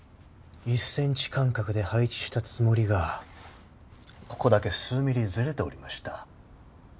１ｃｍ間隔で配置したつもりがここだけ数ｍｍずれておりました。